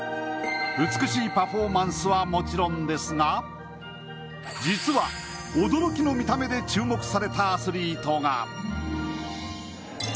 美しいパフォーマンスはもちろんですが実は、驚きの見た目で注目されたアスリートが。